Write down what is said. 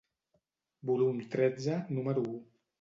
Volum tretze, número u.